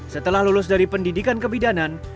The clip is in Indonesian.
setelah lulus dari pendidikan kebidanan